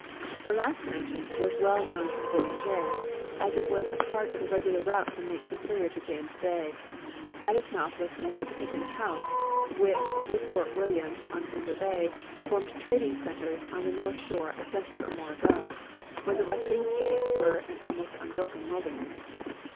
The last mentioned was well known to the voyageurs, as it was a part of the regular route from Lake Superior to James bay. At its mouth was the Michipicoten house, which, with Fort William, on Thunder bay, formed trading centers on the north shore a century or more ago, when the western states were an almost unbroken wilderness.